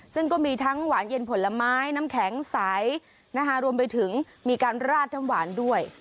ซึ่งก็มีทั้งหวานเย็นผลไม้น้ำแข็งใสนะคะรวมไปถึงมีการราดน้ำหวานด้วย